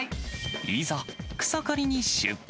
いざ、草刈りに出発。